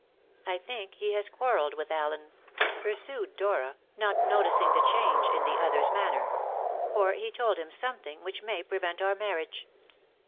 "I think he has quarrelled with Allen," pursued Dora, not noticing the change in the other's manner, "for he told him something which may prevent our marriage."